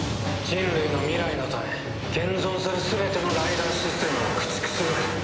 人類の未来のため現存する全てのライダーシステムを駆逐する。